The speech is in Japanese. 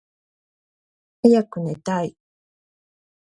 はやくねたい。